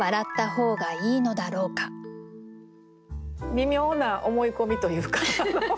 微妙な思い込みというか。